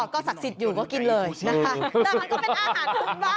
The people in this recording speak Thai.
ก็สักสิทธิ์อยู่ก็กินเลยนะคะ